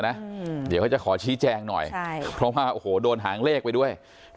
เดี๋ยวเขาจะขอชี้แจงหน่อยใช่เพราะว่าโอ้โหโดนหางเลขไปด้วย